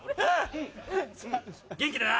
元気でな！